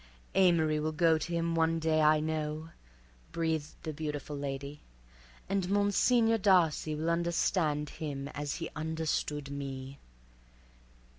"Amory will go to him one day, I know," breathed the beautiful lady, "and Monsignor Darcy will understand him as he understood me."